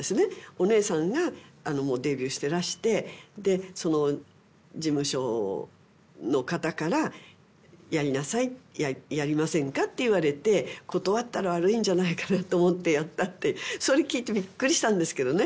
お姉さんがもうデビューしてらしてその事務所の方からやりなさいやりませんかって言われて断ったら悪いんじゃないかなと思ってやったってそれ聞いてびっくりしたんですけどね